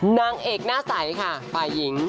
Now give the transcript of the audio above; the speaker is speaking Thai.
นางเอกหน้าใสค่ะฝ่ายหญิง